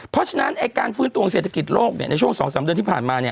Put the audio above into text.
เพราะฉะนั้นการฟื้นตัวของเศรษฐกิจโลกในช่วง๒๓เดือนที่ผ่านมา